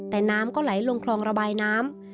แต่น้ำก็ไหลลงคลองระบายน้ำ